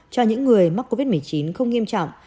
cho những người mắc covid một mươi chín không nghiêm trọng